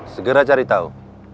segera cari tahu